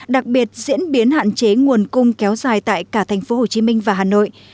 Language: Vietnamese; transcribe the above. đặc biệt diễn biến hạn chế nguồn cung kéo dài tại cả thành phố hồ chí minh và hà nội